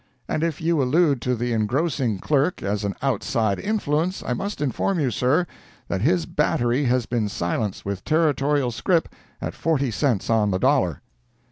And if you allude to the engrossing clerk as an outside influence, I must inform you, sir, that his battery has been silenced with Territorial scrip at forty cents on the dollar."